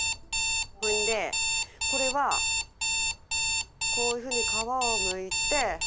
それでこれはこういうふうに皮をむいて。